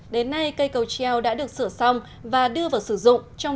đến nay cây cầu treo đã được sửa xong và đưa vào sử dụng